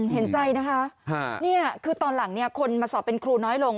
เห็นใจนะคะนี่คือตอนหลังคนมาสอบเป็นครูน้อยลง